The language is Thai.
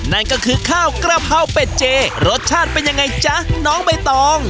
นั่นก็คือข้าวกระเพราเป็ดเจรสชาติเป็นยังไงจ๊ะน้องใบตอง